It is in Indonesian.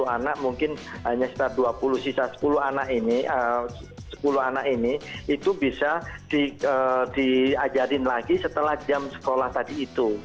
tiga puluh anak mungkin hanya satu ratus dua puluh sisa sepuluh anak ini itu bisa diajarin lagi setelah jam sekolah tadi itu